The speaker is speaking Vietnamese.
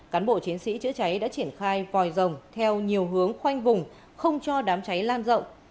cán bộ chiến sĩ chữa cháy đã triển khai vòi rồng theo nhiều hướng khoanh vùng không cho đám cháy lan rộng